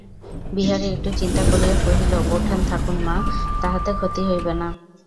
বিহারী একটু চিন্তা করিয়া কহিল, বোঠান থাকুন মা, তাহাতে ক্ষতি হইবে না।